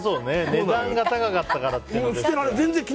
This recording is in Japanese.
値段が高かったからっていうのは。